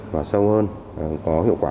và sâu hơn có hiệu quả